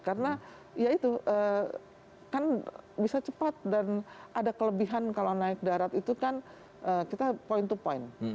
karena ya itu kan bisa cepat dan ada kelebihan kalau naik darat itu kan kita point to point